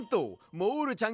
モールちゃん。